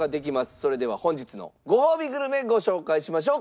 それでは本日のごほうびグルメご紹介しましょう。